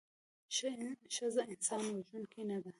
ښځه انسان وژوونکې نده